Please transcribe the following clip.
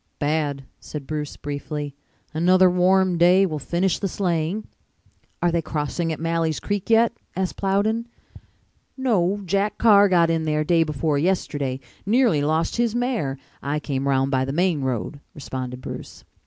"Bad," said Bruce briefly. "Another warm day will finish the sleighing." "Are they crossing at Malley's Creek yet?" asked Plowden. "No, Jack Carr got in there day before yesterday. Nearly lost his mare. I came round by the main road," responded Bruce.